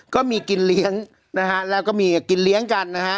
ก็มีกินเลี้ยงนะฮะแล้วก็มีกินเลี้ยงกันนะฮะ